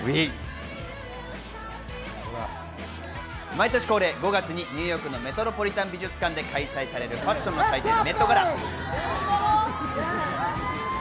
毎年恒例５月にニューヨーク・メトロポリタン美術館で開催されるファッションの祭典、メットガラ。